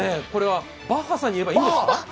バッハさんに言えばいいんですかね？